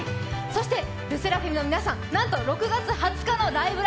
そしてＬＥＳＳＥＲＡＦＩＭの皆さん、なんと６月２０日の「ライブ！